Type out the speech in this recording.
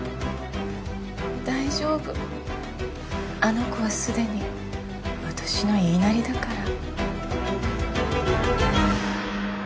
大丈夫あの子は既に私の言いなりだから。